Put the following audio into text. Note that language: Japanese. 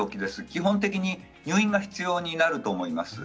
基本的に入院が必要になると思います。